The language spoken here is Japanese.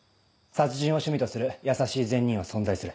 殺人を趣味とする優しい善人は存在する。